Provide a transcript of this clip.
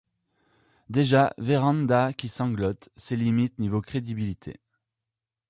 Déjà, Vérand'a qui sanglote, c’est limite niveau crédibilité.